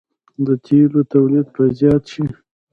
د تیلو تولید به زیات شي.